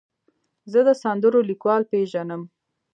زه د سندرو لیکوال پیژنم.